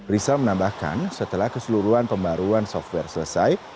rizal menambahkan setelah keseluruhan pembaruan software selesai